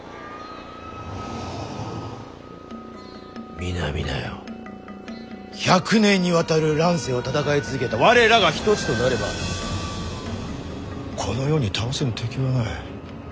皆々よ１００年にわたる乱世を戦い続けた我らが一つとなればこの世に倒せぬ敵はない。